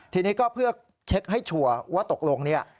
ทีนี้ก็เพื่อเช็คให้ชัวร์ว่าตกลงเนี่ย